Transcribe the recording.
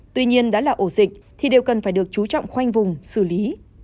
tuy nhiên đã là ổ dịch thì đều cần phải được chú trọng khoanh vùng xử lý